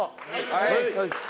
はい。